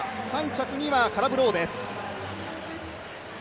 ３着にはカラブ・ローです。